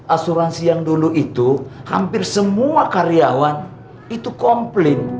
asuransi yang dulu itu hampir semua karyawan itu komplain